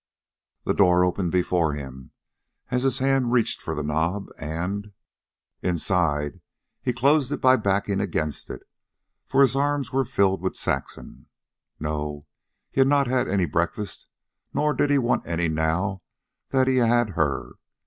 The door opened before him as his hand reached for the knob, and, inside, he closed it by backing against it, for his arms were filled with Saxon. No, he had not had breakfast, nor did he want any now that he had her.